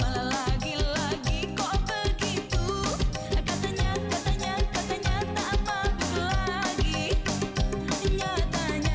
lagi lagi kok begitu katanya katanya katanya tak lagi nyatanya